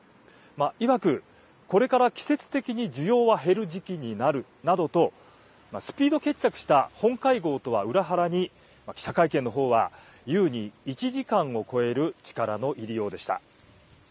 いわく、これから季節的に需要は減る時期になるなどと、スピード決着した本会合とは裏腹に、記者会見のほうは、優に１時間を超える力の入りようでした。